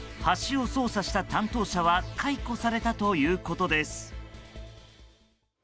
橋を操作した担当者は解雇されたということです。